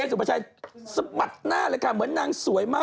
สุภาชัยสะบัดหน้าเลยค่ะเหมือนนางสวยมาก